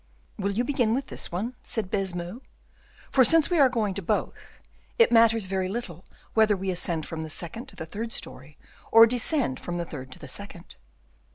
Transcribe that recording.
"Will you begin with this one?" said Baisemeaux; "for since we are going to both, it matters very little whether we ascend from the second to the third story, or descend from the third to the second."